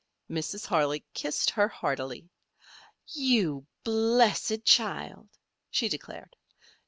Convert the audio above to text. Mrs. Harley kissed her heartily. "You blessed child!" she declared.